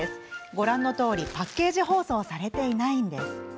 ご覧のとおりパッケージ包装されていないんです。